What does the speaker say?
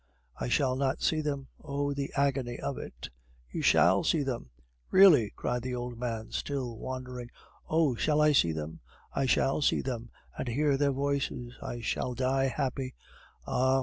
"I shall not see them. Oh! the agony of it!" "You shall see them." "Really?" cried the old man, still wandering. "Oh! shall I see them; I shall see them and hear their voices. I shall die happy. Ah!